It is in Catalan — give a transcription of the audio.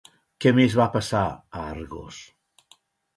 Què més va passar a Argos?